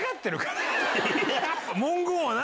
文言は何？